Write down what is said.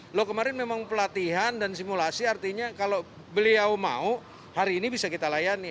kalau kemarin memang pelatihan dan simulasi artinya kalau beliau mau hari ini bisa kita layani